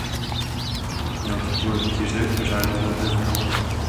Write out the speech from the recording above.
Měl titul rytíře Řádu zlatého rouna.